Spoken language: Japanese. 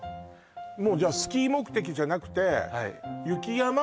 もうじゃあスキー目的じゃなくてそうです